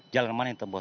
keamanan yang temboh